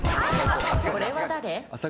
これは誰？